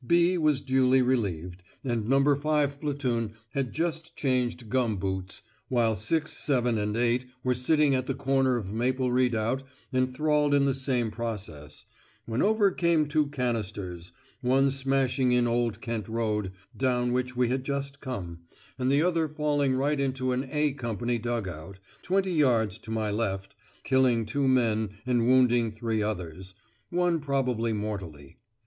'B' was duly relieved, and No. 5 Platoon had just changed gum boots, while 6, 7, and 8 were sitting at the corner of Maple Redoubt enthralled in the same process, when over came two canisters, one smashing in Old Kent Road, down which we had just come, and the other falling right into an 'A' Company dug out, twenty yards to my left, killing two men and wounding three others, one probably mortally.